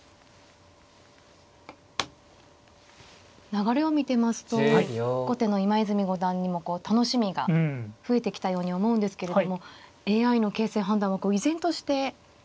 流れを見てますと後手の今泉五段にも楽しみが増えてきたように思うんですけれどもＡＩの形勢判断は依然として。